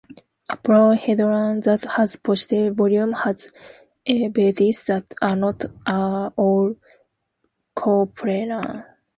A polyhedron that has positive volume has vertices that are not all coplanar.